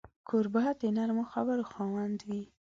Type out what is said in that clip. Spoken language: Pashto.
کوربه د نرمو خبرو خاوند وي.